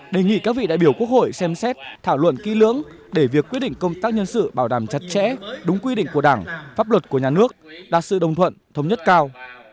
vì các vị đại biểu quốc hội xem xét thảo luận kỳ lưỡng để việc quyết định công tác nhân sự bảo đảm chặt chẽ đúng quy định của đảng pháp luật của nhà nước đa sư đồng thuận thống nhất cao